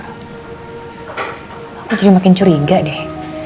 aku jadi makin curiga deh